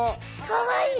かわいい！